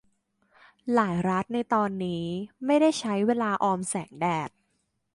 หลายรัฐในตอนนี้ไม่ได้ใช้เวลาออมแสงแดด